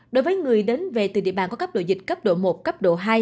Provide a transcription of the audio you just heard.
đối với người đến về từ địa bàn có cấp độ dịch cấp độ một cấp độ hai